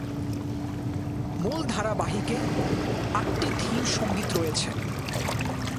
মূল ধারাবাহিকে আটটি থিম সঙ্গীত রয়েছে।